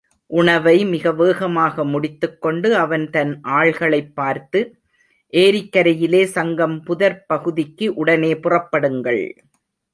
உணவை மிக வேகமாக முடித்துக்கொண்டு அவன் தன் ஆள்களைப் பார்த்து, ஏரிக்கரையிலே சங்கம் புதர்ப்பகுதிக்கு உடனே புறப்படுங்கள்.